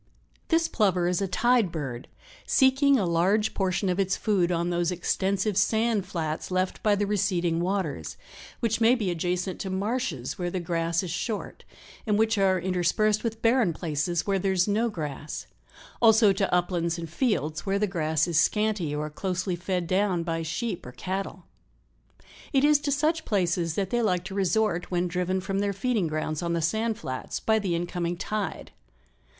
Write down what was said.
This Plover is a tide bird, "seeking a large portion of its food on those extensive sand flats left by the receding waters, which may be adjacent to marshes where the grass is short, and which are interspersed with barren places where there is no grass, also to uplands and 168 fields where the grass is scanty or closely fed down by sheep or cattle. It is to such places that they like to resort when driven from their feeding grounds on the sand flats by the incoming tide.